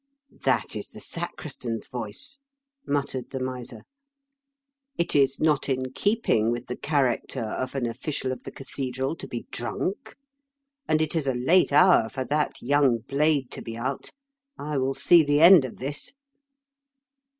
"That is the sacristan's voice/' muttered the miser. "It is not in keeping with the A LEGEND OF GUNDULFH'S TOWEB, 97 character of an official of the cathedral to be drunk, and it is a late hour for that young blade to be out. I will see the end of this."